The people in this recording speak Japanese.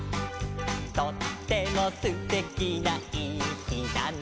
「とってもすてきないいひだね」